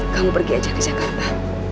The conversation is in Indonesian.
kamu pergi aja ke jakarta